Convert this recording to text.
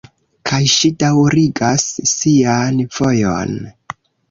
Kaj ŝi daŭrigas sian vojon.